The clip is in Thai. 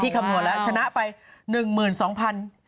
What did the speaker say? พี่ขำนวนแล้วชนะไป๑หมื่น๒พัน